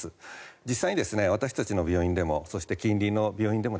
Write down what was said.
実際に私たちの病院でもそして近隣の病院でも